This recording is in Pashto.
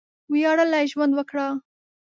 وياړلی ژوند وکړه!